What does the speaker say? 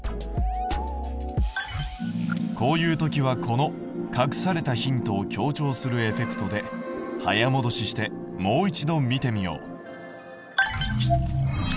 こういう時はこの隠されたヒントを強調するエフェクトで早もどししてもう一度見てみよう。